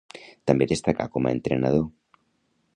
També destacà com a entrenador.